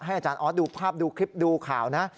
อาจารย์ออสดูภาพดูคลิปดูข่าวนะ